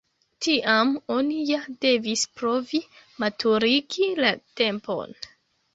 Tiam oni ja devis provi maturigi la tempon.